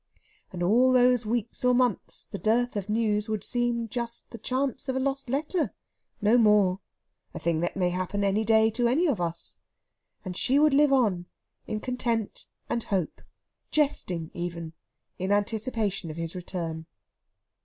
And all those weeks or months the dearth of news would seem just the chance of a lost letter, no more a thing that may happen any day to any of us. And she would live on in content and hope, jesting even in anticipation of his return.